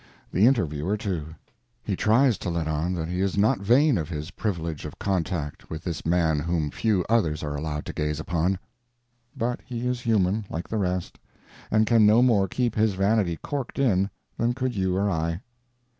The interviewer, too; he tries to let on that he is not vain of his privilege of contact with this man whom few others are allowed to gaze upon, but he is human, like the rest, and can no more keep his vanity corked in than could you or I.